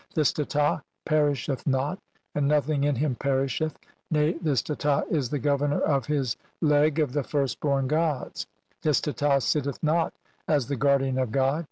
This Teta. pe "risheth not, and nothing in him perisheth, nay this "Teta is the 'Governor of his leg' of the firstborn "gods. This Teta, sitteth not as the guardian of God.